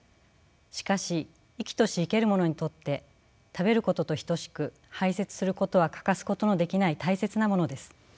しかし生きとし生けるものにとって食べることと等しく排泄することは欠かすことのできない大切なものです。